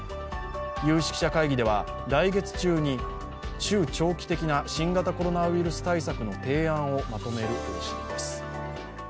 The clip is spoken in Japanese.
有識者会議では来月中に、中長期的な新型コロナ対策の提案をまとめる方針です。